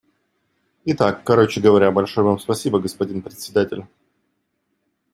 Итак, короче говоря, большое Вам спасибо, господин Председатель.